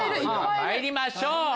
まいりましょう。